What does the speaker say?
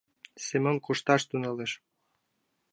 Семон кушташ тӱҥалеш.